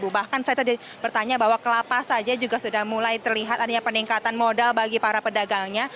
bahkan saya tadi bertanya bahwa kelapa saja juga sudah mulai terlihat adanya peningkatan modal bagi para pedagangnya